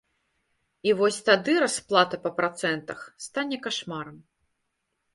І вось тады расплата па працэнтах стане кашмарам.